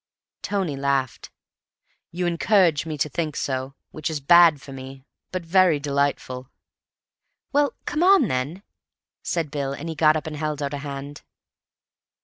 Tony laughed. "You encourage me to think so, which is bad for me, but very delightful." "Well, come on, then," said Bill, and he got up, and held out a hand.